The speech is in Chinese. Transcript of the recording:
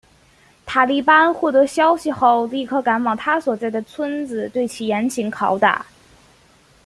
塔利班获得消息后立刻赶往他所在的村子里对其严刑拷打。